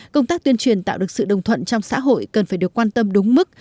công tác tuyên truyền tạo được sự đồng thuận trong xã hội cần phải được quan tâm đúng mức